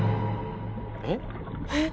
えっ？